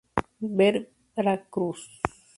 Ver cruz.